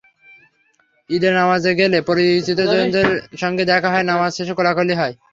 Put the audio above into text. ঈদের নামাজে গেলে পরিচিতজনদের সঙ্গে দেখা হয়, নামাজ শেষে কোলাকুলি হয়।